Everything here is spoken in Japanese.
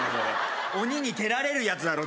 鬼に蹴られるやつだろ